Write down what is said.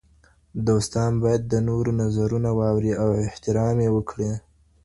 دوستان باید د نورو نظرونه واوري او احترام یې وکړي.